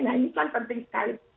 nah ini kan penting sekali